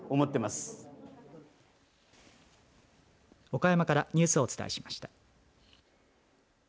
岡山からニュースをお伝えしました。